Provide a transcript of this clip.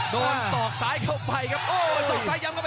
โดนสอกซ้ายเข้าไปครับ